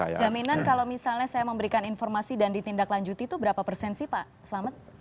jaminan kalau misalnya saya memberikan informasi dan ditindaklanjuti itu berapa persen sih pak selamet